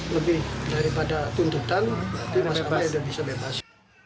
lebih daripada tuntutan berarti mas amah sudah bisa bebas